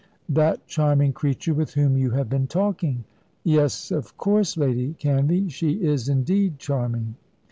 "That charming creature with whom you have been talking." "Yes, of course, Lady Canvey. She is indeed charming."